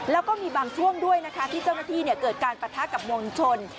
แล้วก็มีบางช่วงด้วยนะคะที่เจ้าหน้าที่เกิดการปะทะกับมวลชน